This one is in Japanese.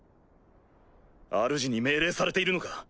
あるじに命令されているのか？